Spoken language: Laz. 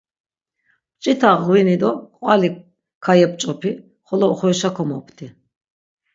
Mç̌ita ğvini do qvali kayep̆ç̌opi xolo oxorişa komopti.